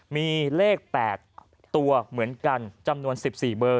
มีเลข๘ตัวเหมือนกันจำนวน๑๔เบอร์